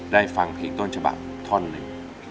ฟังเพลงต้นฉบับท่อนหนึ่ง